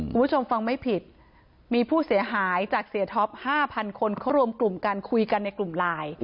คุณผู้ชมฟังไม่ผิดมีผู้เสียหายจากเสียท็อป๕๐๐คนเขารวมกลุ่มกันคุยกันในกลุ่มไลน์